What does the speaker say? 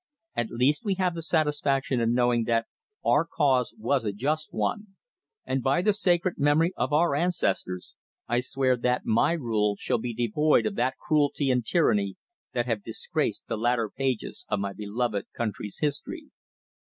At least, we have the satisfaction of knowing that our cause was a just one, and by the sacred memory of our ancestors I swear that my rule shall be devoid of that cruelty and tyranny that have disgraced the later pages of my beloved country's history.